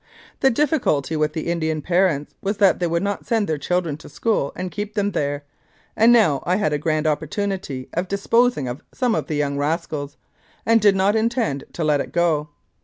The difficulty with the Indian parents was that they would not send their children to school and keep them there, and now I had a grand opportunity of disposing of some of the young rascals, and did not intend to let it go.